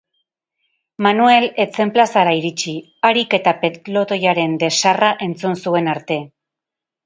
Manuel ez zen plazara iritsi, harik eta pelotoiaren desarra entzun zuen arte.